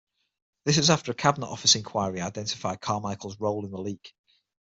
This was after a Cabinet Office enquiry identified Carmichael's role in the leak.